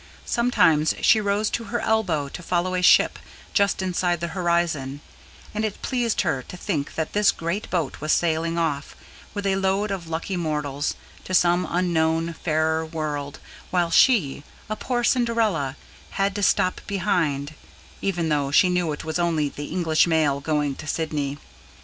Sometimes she rose to her elbow to follow a ship just inside the horizon; and it pleased her to think that this great boat was sailing off, with a load of lucky mortals, to some unknown, fairer world, while she, a poor Cinderella, had to stop behind even though she knew it was only the English mail going on to Sydney.